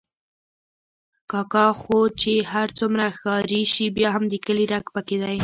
کاکا خو چې هر څومره ښاري شي، بیا هم د کلي رګ پکې دی.